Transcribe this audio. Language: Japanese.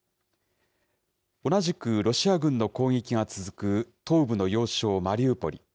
同じくロシア軍の攻撃が続く東部の要衝マリウポリ。